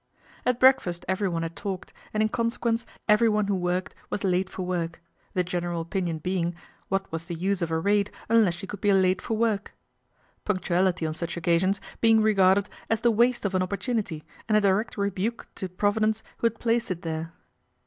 At breakfast everyone had talked, and in conse quence everyone who worked was late for work; the general opinion being, what was the use of a raid unless you could be late for work ? Punctu ality on such occasions being regarded as the waste of an opportunity, and a direct rebuke to Providence who had placed it there.